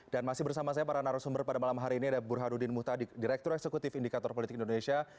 dan masih bersama saya para narasumber pada malam hari ini ada burhadudin muhtadi direktur eksekutif indikator politik indonesia